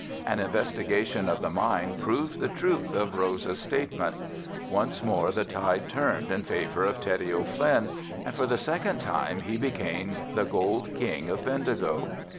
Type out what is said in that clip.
An investigation of the mine proved the truth of Rosa's statement. Once more the tide turned in favor of Teddy O'Flynn and for the second time he became the gold king of Bendigo.